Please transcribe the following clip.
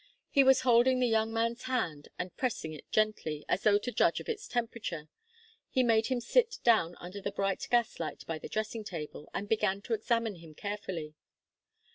He was holding the young man's hand, and pressing it gently, as though to judge of its temperature. He made him sit down under the bright gas light by the dressing table, and began to examine him carefully.